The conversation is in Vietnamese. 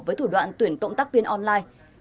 với thủ đoạn tuyển tộng tác viên online